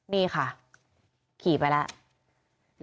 นี่ค่ะขี่ไปแล้ว